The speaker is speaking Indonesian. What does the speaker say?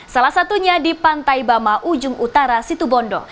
salah satunya di pantai bama ujung utara situbondo